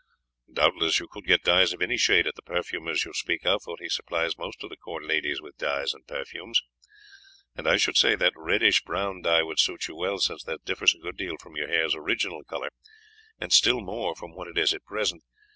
"Doubtless you could get dyes of any shade at the perfumer's you speak of, for he supplies most of the court ladies with dyes and perfumes; and I should say that reddish brown dye would suit you well, since that differs a good deal from your hair's original colour and still more from what it is at present.